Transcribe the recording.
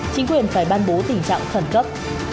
chính quyền phải ban bố tình trạng khẩn cấp